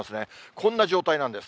こんな状態なんです。